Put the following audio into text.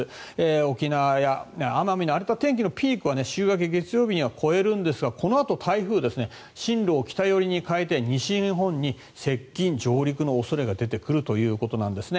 沖縄や奄美の荒れた天気のピークは週明け月曜日には超えるんですがこのあと台風は進路を北寄りに変えて西日本に接近・上陸の恐れが出てくるということなんです。